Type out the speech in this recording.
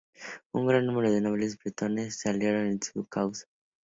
Un gran número de nobles bretones se aliaron con su causa.